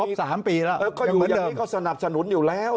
ครบ๓ปีแล้วก็อยู่อย่างนี้เขาสนับสนุนอยู่แล้ว